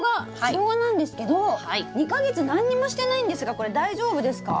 ショウガなんですけど２か月何にもしてないんですがこれ大丈夫ですか？